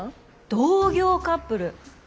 同業カップル。